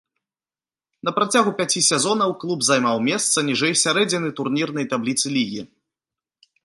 На працягу пяці сезонаў клуб займаў месца ніжэй сярэдзіны турнірнай табліцы лігі.